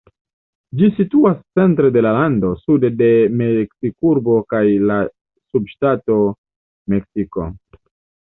Ĝi situas centre de la lando, sude de Meksikurbo kaj la subŝtato Meksiko.